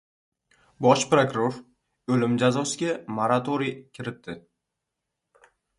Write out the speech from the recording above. Bosh prokuror o‘lim jazosiga moratoriy kiritdi